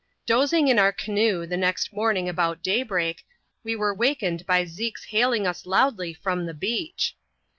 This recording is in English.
Dozing in our canoe the next morning about daybreak, we were wakened by Zeke's hailing us loudly from the beach.